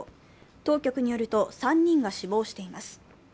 当局によると、３人が死亡しています。